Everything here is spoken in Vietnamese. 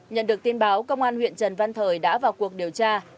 nhận được tin báo công an huyện trần văn thời đã vào cuộc điều tra